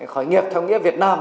khởi nghiệp theo nghĩa việt nam